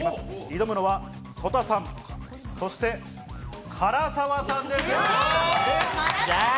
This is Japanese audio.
挑むのは曽田さん、唐沢さんです。